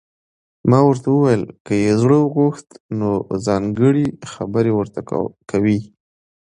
ما ورته وویل: که یې زړه وغوښت، نو ځانګړي خبرې ورته کوي.